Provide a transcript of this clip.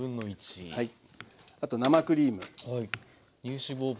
あと生クリーム。